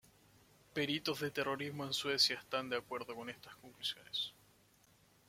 Peritos de terrorismo en Suecia están de acuerdo con estas conclusiones.